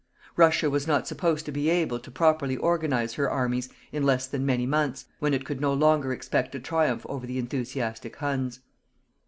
Russia was not supposed to be able to properly organize her armies in less than many months, when it could no longer expect to triumph over the enthusiastic Huns.